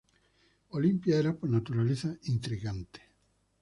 Olimpia era, por naturaleza, intrigante.